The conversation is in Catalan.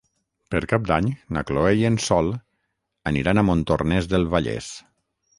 Per Cap d'Any na Chloé i en Sol aniran a Montornès del Vallès.